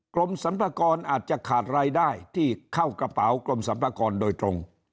กรมสรรพากรอาจจะขาดรายได้ที่เข้ากระเป๋ากรมสรรพากรโดยตรง